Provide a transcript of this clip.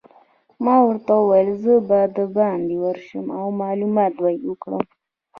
ما ورته وویل: زه به دباندې ورشم او معلومات به يې وکړم.